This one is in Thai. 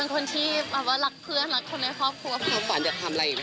คือไลฟ์สไตล์ของญาติ